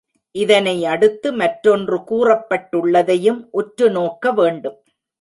இதனை அடுத்து, மற்றொன்று கூறப்பட்டுள்ளதையும் உற்று நோக்க வேண்டும்.